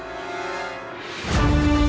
aku akan menemukanmu